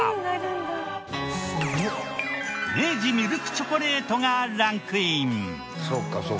明治ミルクチョコレートがランクイン。